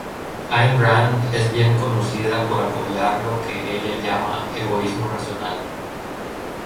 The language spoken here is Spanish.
Ayn Rand es bien conocida por apoyar lo que ella llama "egoísmo racional".